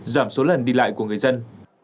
giảm số lần đi lại của người dân